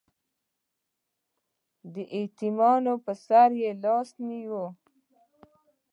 د یتیمانو په سر یې لاس ونیو.